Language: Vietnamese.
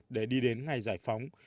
để đi đến ngày giải phóng